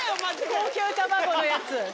高級卵のやつ。